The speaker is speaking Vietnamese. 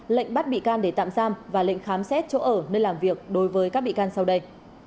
lệnh bắt bị can để tạm giam và lệnh khám xét chỗ ở nơi làm việc đối với các bị can sau đây